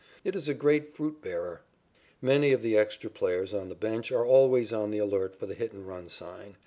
It is a great fruit bearer. Many of the extra players on the bench are always on the alert for the hit and run sign.